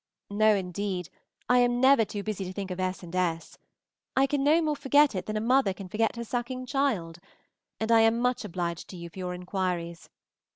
No, indeed, I am never too busy to think of S. and S. I can no more forget it than a mother can forget her sucking child; and I am much obliged to you for your inquiries.